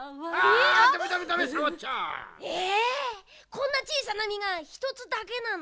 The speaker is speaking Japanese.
こんなちいさなみが１つだけなの？